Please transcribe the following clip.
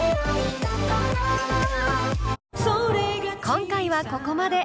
今回はここまで。